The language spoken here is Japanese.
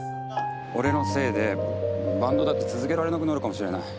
俺のせいでバンドだって続けられなくなるかもしれない。